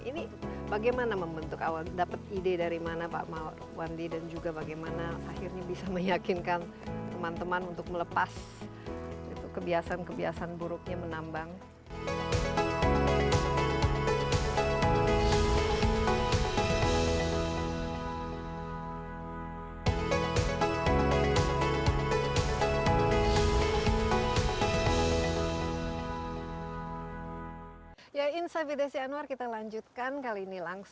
ini bagaimana membentuk awal dapat ide dari mana pak wandi dan juga bagaimana akhirnya bisa meyakinkan teman teman untuk melepas kebiasaan kebiasaan buruknya menambang